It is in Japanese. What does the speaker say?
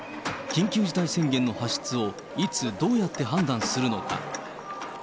緊急事態宣言の発出をいつ、どうやって判断するのか。